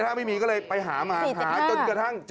ถ้าไม่มีก็เลยไปหามาหาจนกระทั่ง